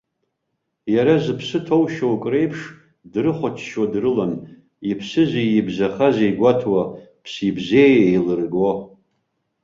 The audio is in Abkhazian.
Иара зыԥсы ҭоу шьоукы реиԥш дрыхәаччо дрылан, иԥсызи ибзахази гәаҭо, ԥсибзеи еилырго.